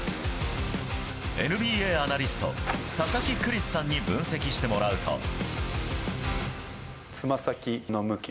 ＮＢＡアナリスト佐々木クリスさんに分析してもらうと。